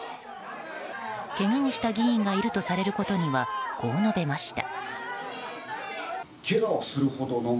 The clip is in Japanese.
けがをした議員がいるとされることにはこう述べました。